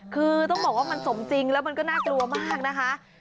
คือต้องบอกว่ามันสมจริงแล้วมันก็น่ากลัวมากนะคะ